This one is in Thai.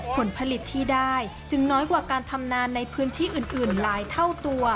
ผลผลิตที่ได้จึงน้อยกว่าการทำนานในพื้นที่อื่นหลายเท่าตัว